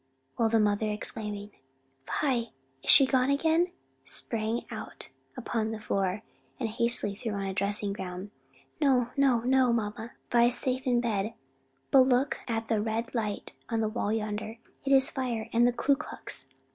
while the mother, exclaiming "Vi! is she gone again?" sprang out upon the floor, and hastily threw on a dressing gown. "No, no, no, mamma; Vi's safe in bed, but look at that red light on the wall yonder! it's fire, and the Ku Klux!"